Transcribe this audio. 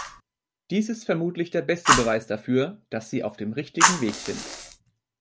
Dies ist vermutlich der beste Beweis dafür, dass Sie auf dem richtigen Weg sind.